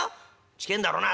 「近えんだろうな」。